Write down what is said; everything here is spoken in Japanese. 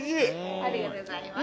ありがとうございます。